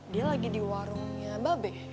dia lagi di warungnya babe